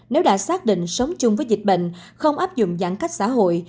nếu đã xác định sống chung với dịch bệnh không áp dụng giãn cách xã hội